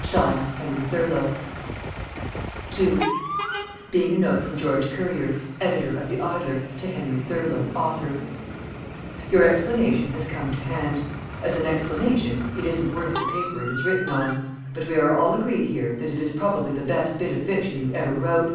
(Signed) HENRY THURLOW. [Illustration: "'LOOK AT YOUR SO CALLED STORY AND SEE'"] II (Being a Note from George Currier, Editor of the "Idler" to Henry Thurlow, Author.) Your explanation has come to hand. As an explanation it isn't worth the paper it is written on, but we are all agreed here that it is probably the best bit of fiction you ever wrote.